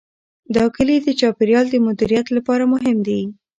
دا کلي د چاپیریال د مدیریت لپاره مهم دي.